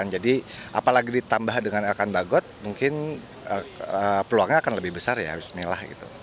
jadi apalagi ditambah dengan elkan bagot mungkin peluangnya akan lebih besar ya